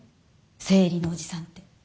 生理のおじさんって。